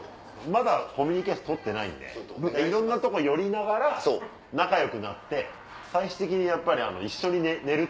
まだコミュニケーション取ってないんでいろんなとこ寄りながら仲良くなって最終的にやっぱり一緒に寝る。